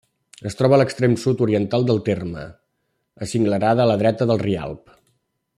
Es troba a l'extrem sud-oriental del terme, acinglerada a la dreta del Rialb.